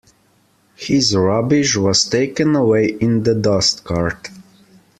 His rubbish was taken away in the dustcart